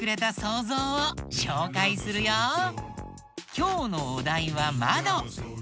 きょうのお題は「まど」。